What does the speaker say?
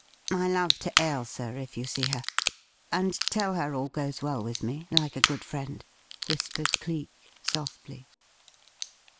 "My love to Ailsa if you see her, and tell her all goes well with me, like a good friend!" whispered Cleek, softly.